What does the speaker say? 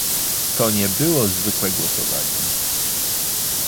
To nie było zwykle głosowanie